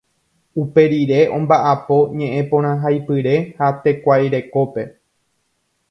Uperire ombaʼapo ñeʼẽporãhaipyre ha tekuairekópe.